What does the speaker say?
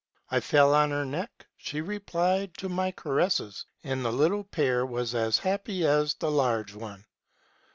I fell on her neck : she replied to my caresses, and the little pair was as happy as the large one.